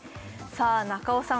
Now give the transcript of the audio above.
中尾さん